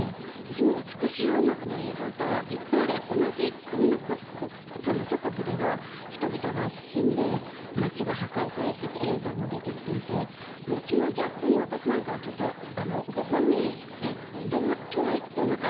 その美しい音楽の映像と一方で、同じ国の祖国では人々が死んで街が破壊されるという映像も出てきていてそのギャップに私なんかはご本人、どう捉えているのか